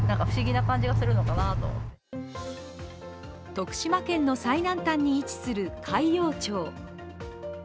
徳島県の最南端に位置する海陽町。